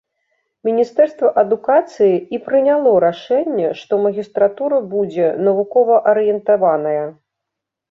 Міністэрства адукацыі і прыняло рашэнне, што магістратура будзе навукова-арыентаваная.